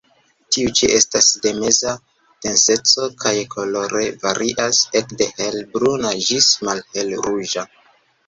Tiu ĉi estas de meza denseco, kaj kolore varias ekde hel-bruna ĝis malhel-ruĝa.